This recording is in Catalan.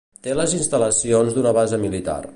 Té les instal·lacions d'una base militar.